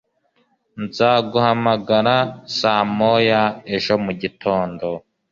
Nzaguhamagara saa moya ejo mugitondo.